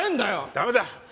ダメだ。